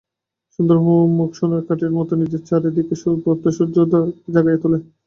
সুন্দর মুখ সোনার কাঠির মতো নিজের চারি দিকের সুপ্ত সৌন্দর্যকে জাগাইয়া তোলে।